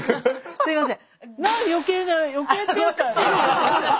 すいません。